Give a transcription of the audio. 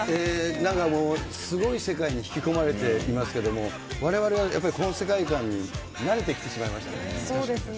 なんかもう、すごい世界に引き込まれていますけれども、われわれはやっぱり、この世界観そうですね。